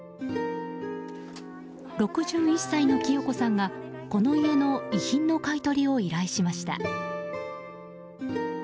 ６１歳の清子さんがこの家の遺品の買い取りを依頼しました。